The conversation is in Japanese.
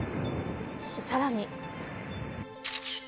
さらに。